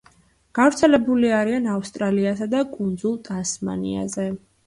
გავრცელებული არიან ავსტრალიასა და კუნძულ ტასმანიაზე.